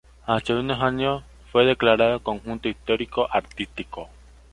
Hace unos años fue declarado Conjunto Histórico-Artístico.